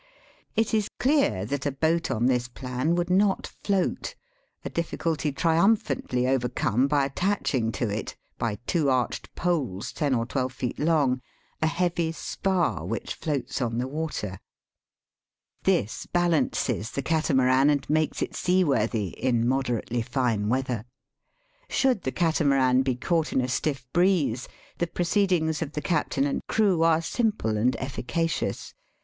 It is clear that a boat on this plan would not float, a difficulty triumphantly over come by attaching to it, by two arched poles ten or twelve feet long, a heavy spar, which floats on the water. This balances the cata VOL. II. 29 Digitized by VjOOQIC 146 EAST BY WEST. maran and makes it seaworthy in moderately fine weather. Should the catamaran be caught in a stiff breeze the proceedings of the captain and crew are simple and effica cious.